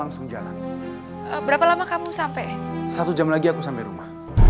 satu jam lagi aku sampai rumah